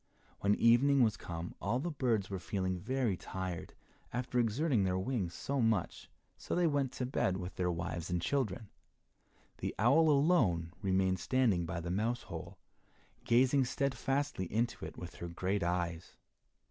When evening was come all the birds were feeling very tired after exerting their wings so much, so they went to bed with their wives and children. The owl alone remained standing by the mouse hole, gazing steadfastly into it with her great eyes.